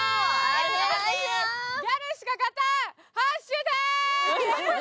ギャルしか勝たん、ハッシュターグ！！